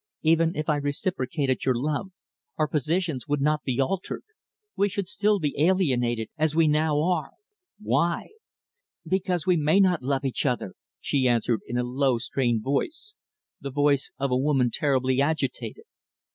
"Even if I reciprocated your love our positions would not be altered. We should still be alienated as we now are." "Why?" "Because because we may not love each other," she answered, in a low, strained voice the voice of a woman terribly agitated.